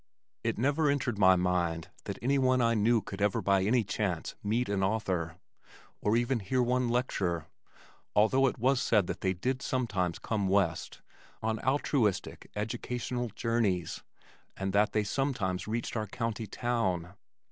It never entered my mind that anyone I knew could ever by any chance meet an author, or even hear one lecture although it was said that they did sometimes come west on altruistic educational journeys and that they sometimes reached our county town.